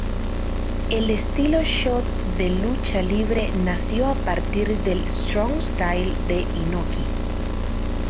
El estilo Shoot de lucha libre nació a partir del "strong-style" de Inoki.